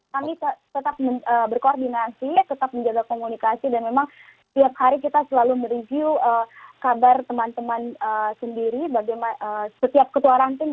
kami tetap berkoordinasi tetap menjaga komunikasi dan memang tiap hari kita selalu mereview kabar teman teman sendiri bagaimana setiap ketua ranting